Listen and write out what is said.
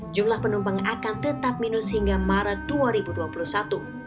jumlah penumpang akan tetap minus hingga maret dua ribu dua puluh satu